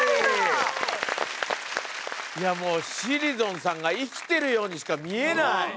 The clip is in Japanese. いやもうしりぞんさんが生きてるようにしか見えない。